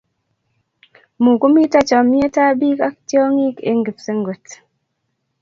Mukumito chomyietab biik ak tyong'ik eng' kipsengwet